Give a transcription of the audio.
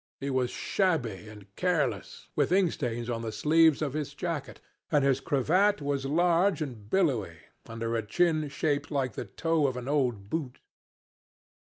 He was shabby and careless, with ink stains on the sleeves of his jacket, and his cravat was large and billowy, under a chin shaped like the toe of an old boot.